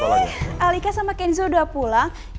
alika sama kenzo udah pulang